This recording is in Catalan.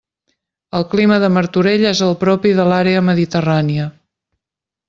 El clima de Martorell és el propi de l'àrea mediterrània.